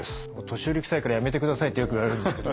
年寄りくさいからやめてくださいってよく言われるんですけど。